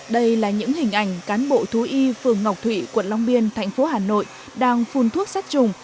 đây là những hình ảnh cán bộ thú y phường ngọc thụy quận long biên thành phố hà nội đang phun thuốc sát trùng